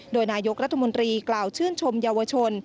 โดยนายกรัฐมนตรีกล่าวชื่นชมเยาวชน